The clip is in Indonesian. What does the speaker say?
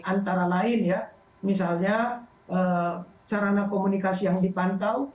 antara lain ya misalnya sarana komunikasi yang dipantau